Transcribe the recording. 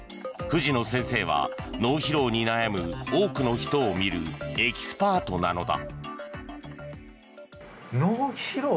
藤野先生は脳疲労に悩む多くの人を診るエキスパートなのだ。